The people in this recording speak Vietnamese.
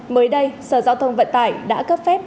mới đây sở giao thông vận tải đã cấp phép